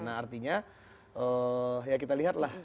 nah artinya ya kita lihatlah